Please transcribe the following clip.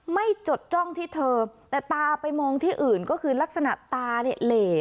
จดจ้องที่เธอแต่ตาไปมองที่อื่นก็คือลักษณะตาเนี่ยเหล่